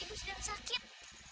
ibu sedang sakit